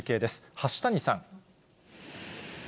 端谷さん。